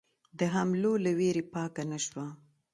د حملو له وېرې پاکه نه شوه.